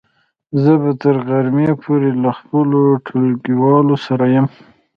زه به تر غرمې پورې له خپلو ټولګیوالو سره يم.